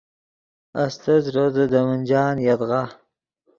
استت ݱوتے دے منجان یدغا